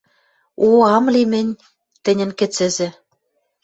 О ам ли мӹнь тӹньӹн кӹцӹзӹ